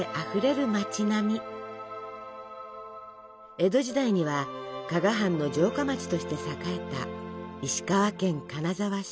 江戸時代には加賀藩の城下町として栄えた石川県金沢市。